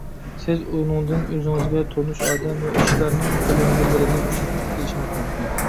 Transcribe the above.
سىز ئۇنىڭدىن ئۆزىڭىزگە تونۇش ئادەم ۋە ئىشلارنىڭ كۆلەڭگىلىرىنى ئۇچرىتىپ قېلىشىڭىز مۇمكىن.